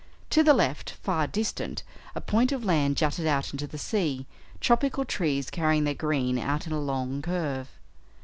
To the left, far distant, a point of land jutted out into the sea, tropical trees carrying their green out in a long curve.